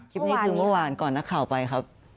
คลิปนี้คือเมื่อวานก่อนนักข่าวไปครับ